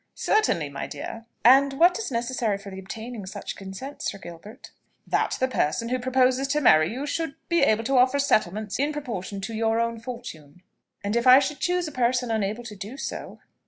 "Certainly, my dear." "And what is necessary for the obtaining such consent, Sir Gilbert?" "That the person who proposes to marry you should be able to offer settlements in proportion to your own fortune." "And if I should choose a person unable to do so?"